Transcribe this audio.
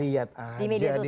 lihat aja di media sosial